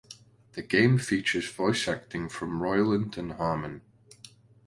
The game features voice acting from Roiland and Harmon.